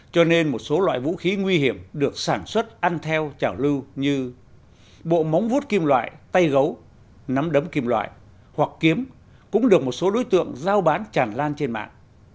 cho nên một số loại vũ khí nguy hiểm được sản xuất ăn theo trảo lưu như bộ móng vút kim loại tay gấu nắm đấm kim loại hoặc kiếm cũng được một số đối tượng giao bán tràn lan trên mạng